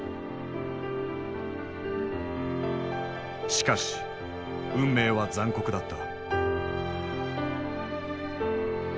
しかし運命は残酷だった。